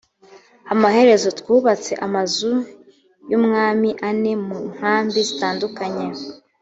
amaherezo twubatse amazu y ubwami ane mu nkambi zitandukanye